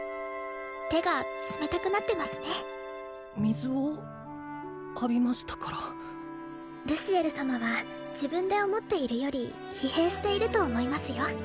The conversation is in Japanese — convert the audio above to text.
手が冷たくなってますね水を浴びましたからルシエル様は自分で思っているより疲弊していると思いますよ